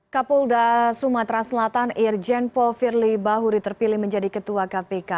kapolda sumatera selatan irjen paul firly bahuri terpilih menjadi ketua kpk